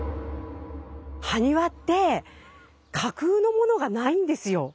埴輪って架空のものがないんですよ。